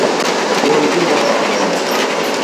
Gol gimoro amora